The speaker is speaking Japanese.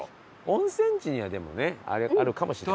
温泉地にはでもねあるかもしれない。